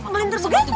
makanan tersebut ya